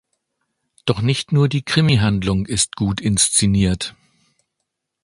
Doch nicht nur die Krimihandlung ist gut inszeniert.